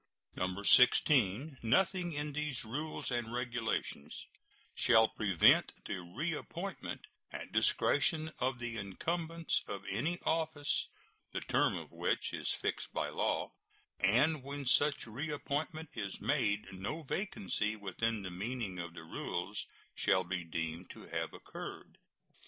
16. Nothing in these rules and regulations shall prevent the reappointment at discretion of the incumbents of any office the term of which is fixed by law, and when such reappointment is made no vacancy within the meaning of the rules shall be deemed to have occurred.